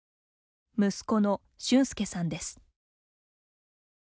息子の俊介さんです。